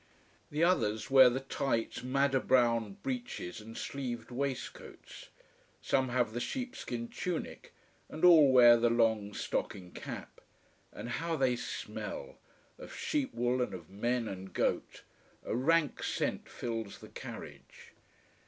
The others wear the tight madder brown breeches and sleeved waistcoats. Some have the sheepskin tunic, and all wear the long stocking cap. And how they smell! of sheep wool and of men and goat. A rank scent fills the carriage.